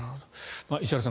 石原さん